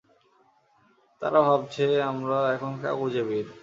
তারা ভাবছে, আমরা এখন কাগুজে বীর।